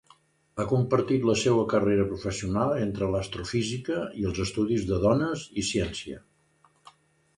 Ha compartit la seua carrera professional entre l'astrofísica i els estudis de Dones i Ciència.